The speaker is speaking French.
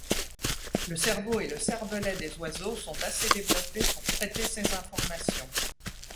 Le cerveau et le cervelet des oiseaux sont assez développés pour traiter ces informations.